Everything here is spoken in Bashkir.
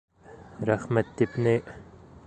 Рәхмәт тип ни...